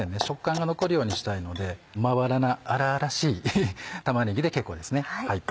食感が残るようにしたいのでまばらなあらあらしい玉ねぎで結構ですね。